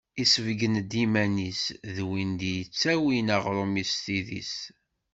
Yessebgen-d iman-is d win d-yettawin aɣrum-is s tidi-s.